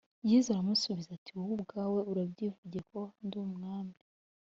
yezu aramusubiza ati wowe ubwawe urabyivugiye ko ndi umwami